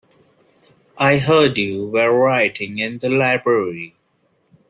I heard you were writing in the library.